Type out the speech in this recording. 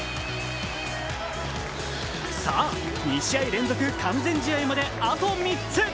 さあ、２試合連続完全試合まであと３つ。